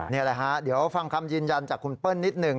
นี่แหละฮะเดี๋ยวฟังคำยืนยันจากคุณเปิ้ลนิดหนึ่ง